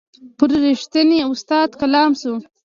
پر رښتین استاد کلام سو